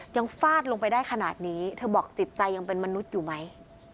ฟาดลงไปได้ขนาดนี้เธอบอกจิตใจยังเป็นมนุษย์อยู่ไหม